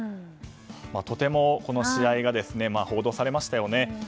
とてもこの試合が報道されましたよね。